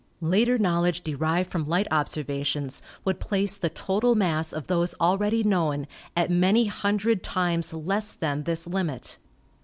Later knowledge derived from light observations would place the total mass of those already known at many hundred times less than this limit.